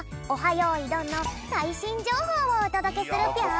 よいどん」のさいしんじょうほうをおとどけするぴょん！